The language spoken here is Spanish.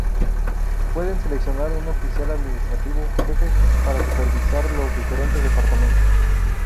Pueden seleccionar un oficial administrativo jefe para supervisar los diferentes departamentos.